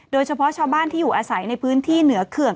โดยเฉพาะชาวบ้านที่อยู่อาศัยในพื้นที่เหนือเขื่อง